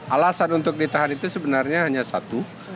alasan untuk ditahan itu sebenarnya hanya satu